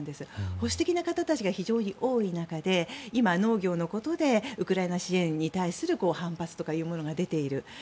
保守的な方たちが非常に多い中で今、農業のことでウクライナ支援に対する反発というものが出ている。